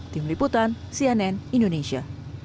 tim liputan cnn indonesia